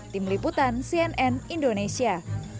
tim liputan cnn indonesia